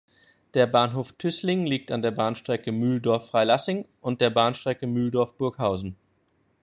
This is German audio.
Der Bahnhof Tüßling liegt an der Bahnstrecke Mühldorf–Freilassing und der Bahnstrecke Mühldorf–Burghausen.